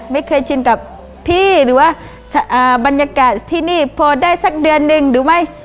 ไม่เคยชินกับพี่หรือว่าบรรยากาศที่นี่พอได้สักเดือนหนึ่งหรือไม่